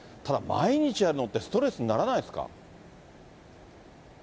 ただ、毎日やるのってストレスにならないですか？